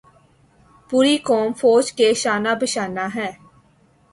پوری قوم فوج کے شانہ بشانہ ہے۔